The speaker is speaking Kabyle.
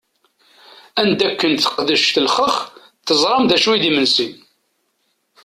Anda akken teqdec telxex, teẓṛam dacu i d-imensi!